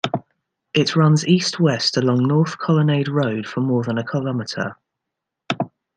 It runs East-West along North Colonnade Road for more than a kilometer.